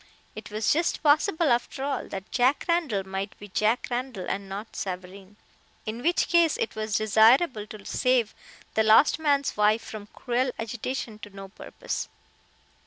It was just possible, after all, that Jack Randall might be Jack Randall, and not Savareen, in which case it was desirable to save the lost man's wife from cruel agitation to no purpose.